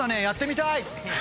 やってみたい！